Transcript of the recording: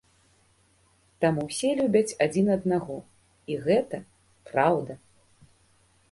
Там усе любяць адзін аднаго, і гэта праўда!